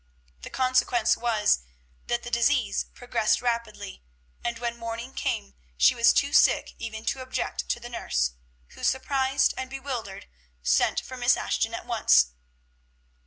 The consequence was, that the disease progressed rapidly, and when morning came she was too sick even to object to the nurse, who, surprised and bewildered, sent for Miss Ashton at once.